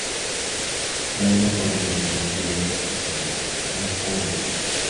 La hembra ponen los huevos cubiertos entre la hojarasca, en el suelo.